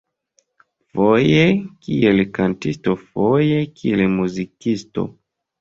Foje kiel kantisto foje kiel muzikisto.